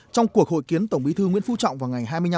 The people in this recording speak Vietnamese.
trong cuộc hội kiến tổng bí thư nguyễn phú trọng vào ngày hai mươi năm